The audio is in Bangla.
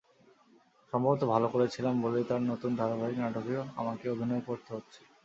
সম্ভবত ভালো করেছিলাম বলেই তাঁর নতুন ধারাবাহিক নাটকেও আমাকে অভিনয় করতে হচ্ছে।